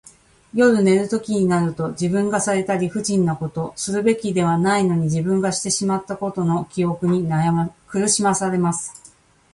夜寝るときになると、自分がされた理不尽なこと、するべきではないのに自分がしてしまったことの記憶に苦しまされます。